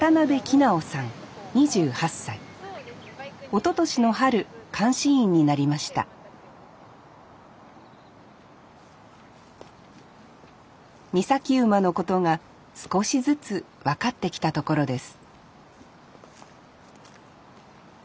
おととしの春監視員になりました岬馬のことが少しずつ分かってきたところです